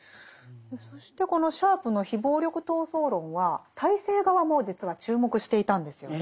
そしてこのシャープの非暴力闘争論は体制側も実は注目していたんですよね。